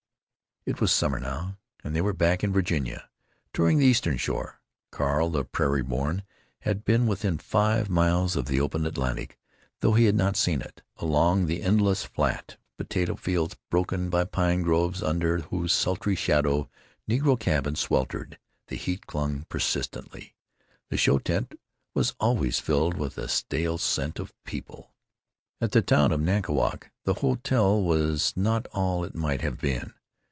It was summer now, and they were back in Virginia, touring the Eastern Shore. Carl, the prairie born, had been within five miles of the open Atlantic, though he had not seen it. Along the endless flat potato fields, broken by pine groves under whose sultry shadow negro cabins sweltered, the heat clung persistently. The show tent was always filled with a stale scent of people. At the town of Nankiwoc the hotel was not all it might have been.